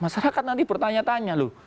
saya tanya loh